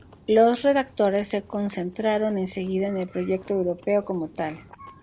Los redactores se concentraron enseguida en el proyecto europeo como tal.